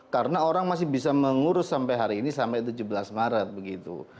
karena orang masih bisa mengurus sampai hari ini sampai tujuh belas maret begitu